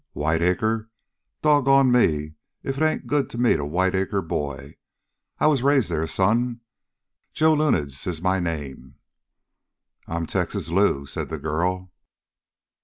"Whiteacre? Doggone me if it ain't good to meet a Whiteacre boy. I was raised there, son! Joe Lunids is my name." "I'm Texas Lou," said the girl.